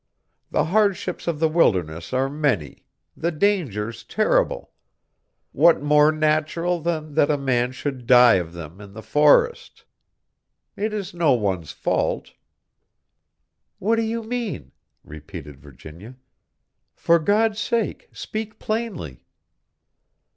The hardships of the wilderness are many, the dangers terrible what more natural than that a man should die of them in the forest? It is no one's fault." "What do you mean?" repeated Virginia; "for God's sake speak plainly!"